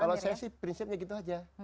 kalau saya sih prinsipnya gitu aja